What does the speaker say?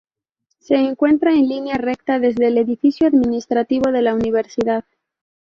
Se encuentra en línea recta desde el edificio administrativo de la universidad.